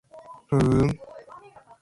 ふーん